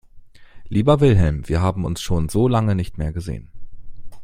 Lieber Wilhelm, wir haben uns schon so lange nicht mehr gesehen.